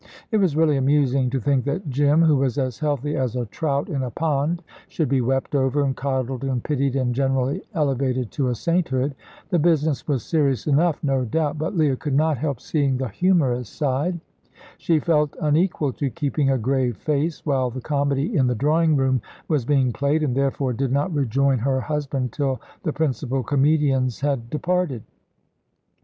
It was really amusing to think that Jim, who was as healthy as a trout in a pond, should be wept over, and coddled, and pitied, and generally elevated to a sainthood. The business was serious enough, no doubt; but Leah could not help seeing the humorous side. She felt unequal to keeping a grave face while the comedy in the drawing room was being played, and therefore did not rejoin her husband till the principal comedians had departed.